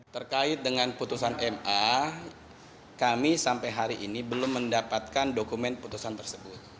terkait dengan putusan ma kami sampai hari ini belum mendapatkan dokumen putusan tersebut